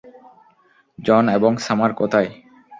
জন এবং সামার কোথায়?